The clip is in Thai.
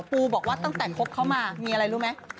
ปูบอกว่าตั้งแต่คบเขามามีอะไรรู้ไหม